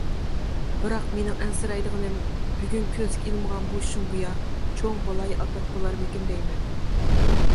بىراق مېنىڭ ئەنسىرەيدىغىنىم بۈگۈن كۆزگە ئىلمىغان بۇ شۇم بۇيا، چوڭ بالايىئاپەت بولارمىكىن دەيمەن.